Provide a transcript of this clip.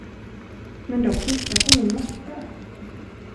Men de pissar på min matta?